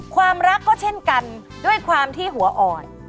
ความรักก็เช่นกันด้วยความที่หัวอ่อน